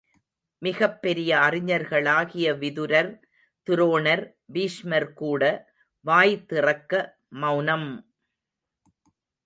மிகப் பெரிய அறிஞர்களாகிய விதுரர், துரோணர், பீஷ்மர்கூட வாய்திறக்க மெளனம்!